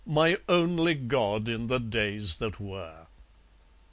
My only god in the days that were.